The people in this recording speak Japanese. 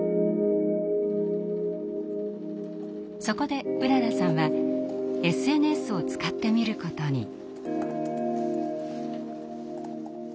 そこでうららさんはＳＮＳを使ってみることに。